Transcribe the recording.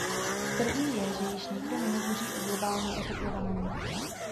První je, že již nikdo nehovoří o globálním oteplování.